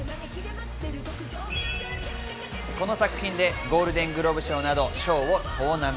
この作品でゴールデングローブ賞など賞を総なめ。